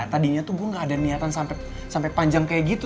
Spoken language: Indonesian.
tadinya tuh bu gak ada niatan sampai panjang kayak gitu